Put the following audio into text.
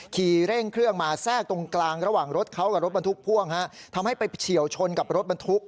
ขี่เร่งเครื่องมาแทรกตรงกลางระหว่างรถเขากับรถบรรทุกพ่วงฮะทำให้ไปเฉียวชนกับรถบรรทุก